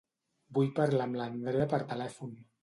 Vull parlar amb l'Andrea per telèfon.